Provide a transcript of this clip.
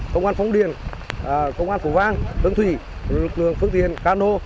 công an phóng điền công an phủ vang đường thủy lực lượng phương tiền cano